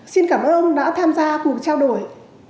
xin cảm ơn ông đã tham gia cuộc trao đổi